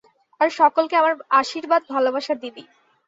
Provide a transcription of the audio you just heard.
আর সকলকে আমার আশীর্বাদ ভালবাসা দিবি।